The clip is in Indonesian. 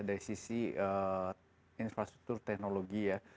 dari sisi infrastruktur teknologi ya